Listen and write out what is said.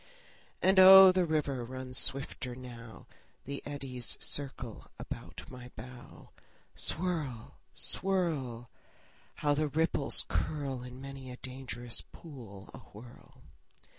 And oh, the river runs swifter now; The eddies circle about my bow. Swirl, swirl! How the ripples curl In many a dangerous pool awhirl!